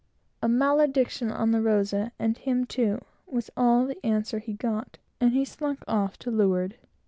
A malediction on the Rosa, and him too, was all the answer he got, and he slunk off to leeward.